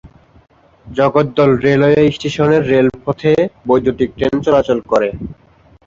জগদ্দল railway স্টেশনের রেলপথে বৈদ্যুতীক ট্রেন চলাচল করে।